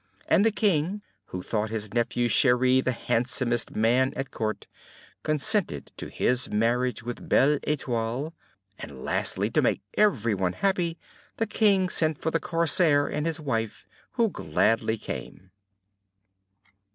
And the King, who thought his nephew Cheri the handsomest man at Court, consented to his marriage with Belle Etoile. And lastly, to make everyone happy, the King sent for the Corsair and his wife, who gladly came.